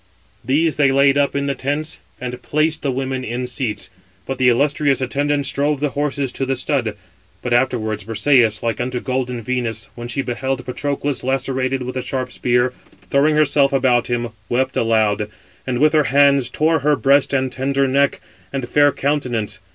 These they laid up in the tents, and placed the women in seats; but the illustrious attendants drove the horses to the stud. But afterwards Briseïs, like unto golden Venus, when she beheld Patroclus lacerated with the sharp spear, throwing herself about him, wept aloud, and with her hands tore her breast and tender neck, and fair countenance.